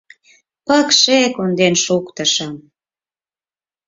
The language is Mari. — Пыкше конден шуктышым!